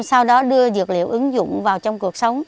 sau đó đưa dược liệu ứng dụng vào trong cuộc sống